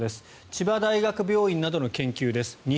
千葉大学病院などの研究です。